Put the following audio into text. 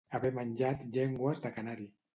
Haver menjat llengües de canari.